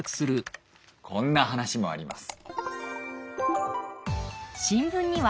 こんな話もあります。